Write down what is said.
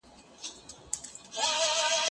زه پرون سبزیحات جمع کوم!؟